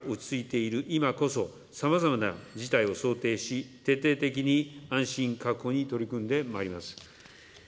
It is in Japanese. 新型コロナの感染が落ち着いている今こそ、さまざまな事態を想定し、徹底的に安心確保に取り組んでまいります。